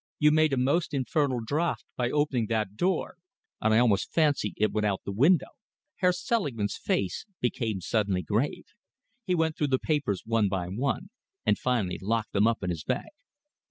You made a most infernal draught by opening that door, and I almost fancy it went out of the window." Herr Selingman's face became suddenly grave. He went through the papers one by one, and finally locked them up in his bag.